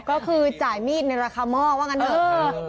ก็คือจ่ายมีดในราคาหม้อว่างั้นเถอะ